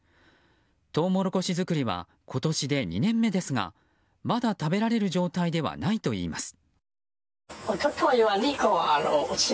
トウモロコシ作りは今年で２年目ですがまだ食べられる状態ではないといいます。